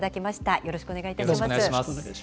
よろしくお願いします。